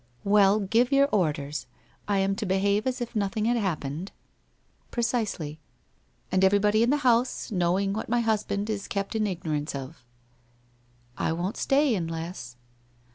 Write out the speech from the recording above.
' Well, give your orders. I am to behave as if nothing had happened.' WHITE ROSE OF WEARY LEAF 205 * Precisely.' * And everybody in the house knowing what my hus band is kept in ignorance of.' ' I won't stay, unless.'